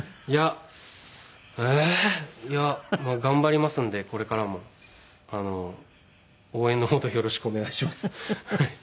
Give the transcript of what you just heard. いや頑張りますんでこれからも応援のほどよろしくお願いします。